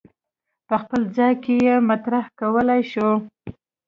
په خپل ځای کې یې مطرح کولای شو.